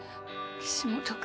岸本君。